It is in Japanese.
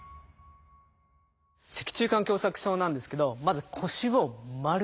脊柱管狭窄症なんですけどまず腰を丸めます。